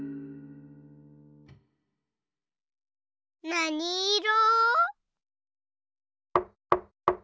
なにいろ？